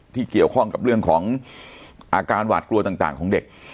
ที่เกี่ยวข้องกับเรื่องของอาการหวาดกลัวต่างของเด็ก